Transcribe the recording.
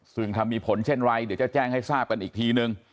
ซึ่งถ้ามีผลเช่นไรเดี๋ยวจะแจ้งให้ทราบกันอีกทีนึง